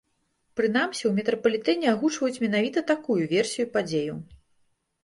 Прынамсі, у метрапалітэне агучваюць менавіта такую версію падзеяў.